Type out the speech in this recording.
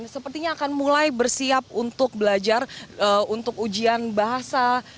sepertinya akan mulai bersiap untuk belajar untuk ujian bahasa